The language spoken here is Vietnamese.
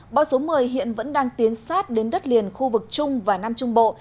bão số một mươi hiện vẫn đang tiến sát đến đất liền khu vực trung và nam trung bộ